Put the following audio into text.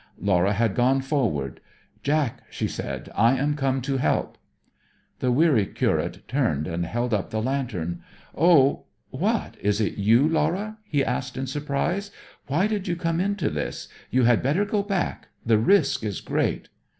Laura had gone forward. 'Jack,' she said, 'I am come to help!' The weary curate turned and held up the lantern. 'O what, is it you, Laura?' he asked in surprise. 'Why did you come into this? You had better go back the risk is great.'